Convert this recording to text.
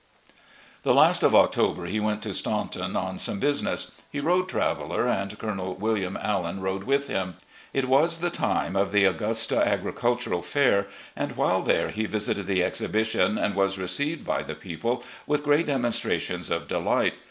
The last of October he went to Staunton on some business. He rode Traveller, and Colonel Wm. Allan rode with him. It was the time of the Augusta Agri culttual Fair, and while there he visited the exhibition and was received by the people with great demonstrations of delight.